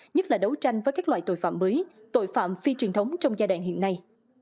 nhất là đấu tranh với các loại tội phạm mới tội phạm phi truyền thống trong giai đoạn hiện nay